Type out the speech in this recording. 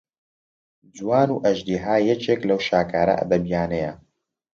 جوان و ئەژدیها یەکێک لەو شاکارە ئەدەبیانەیە